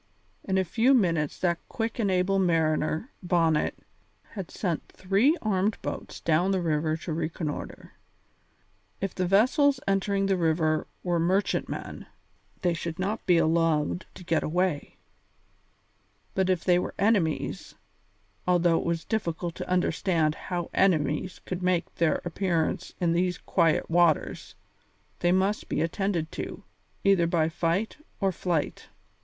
In a few minutes that quick and able mariner, Bonnet, had sent three armed boats down the river to reconnoitre. If the vessels entering the river were merchantmen, they should not be allowed to get away; but if they were enemies, although it was difficult to understand how enemies could make their appearance in these quiet waters, they must be attended to, either by fight or flight.